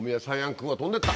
君は飛んでった！